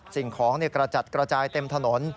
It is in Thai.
สิ่งของกระจัดกระจายเต็มถนน